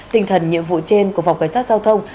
tinh thần nhiệm vụ trên của phòng cảnh sát giao thông